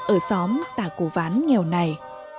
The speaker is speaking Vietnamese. ở xóm tà cổ ván nghèo này